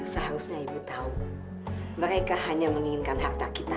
seharusnya ibu tahu mereka hanya menginginkan harta kita